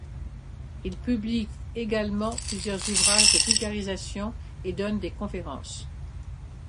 Il publie également plusieurs ouvrages de vulgarisation et donne des conférences.